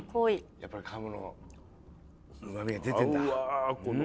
やっぱりカモのうま味が出てんだ。